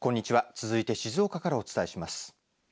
続いて静岡からお伝えします。